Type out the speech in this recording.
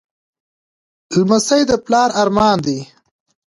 لمسی د پلار ارمان دی.